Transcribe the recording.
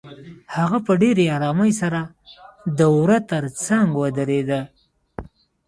هغه په ډېرې آرامۍ سره د وره تر څنګ ودرېده.